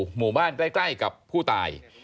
หมู่บ้านใกล้กับผู้ตาย